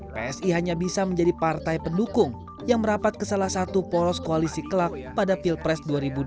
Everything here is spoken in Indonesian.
psi hanya bisa menjadi partai pendukung yang merapat ke salah satu poros koalisi kelak pada pilpres dua ribu dua puluh